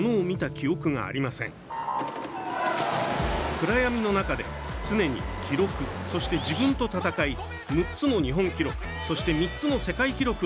暗闇の中で常に記録そして自分と闘い６つの日本記録そして３つの世界記録を達成。